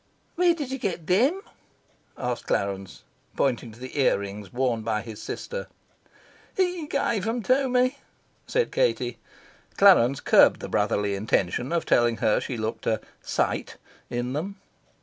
"Where did you get THEM?" asked Clarence, pointing to the ear rings worn by his sister. "HE gave me them," said Katie. Clarence curbed the brotherly intention of telling her she looked "a sight" in them.